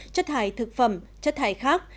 chất thải thực phẩm chất thải khác